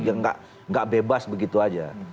jadi kita tidak bebas begitu saja